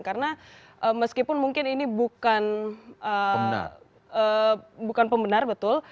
karena meskipun mungkin ini bukan pembenar betul